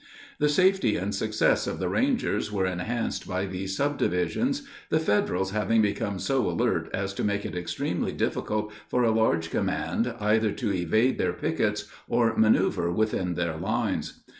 The safety and success of the Rangers were enhanced by these subdivisions, the Federals having become so alert as to make it extremely difficult for a large command either to evade their pickets or manoeuver within their lines.